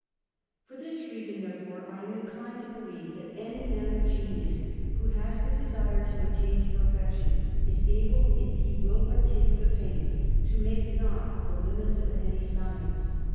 For this reason, therefore, I am inclined to believe that any man of genius who has the desire to attain to perfection, is able, if he will but take the pains, to make naught of the limits of any science.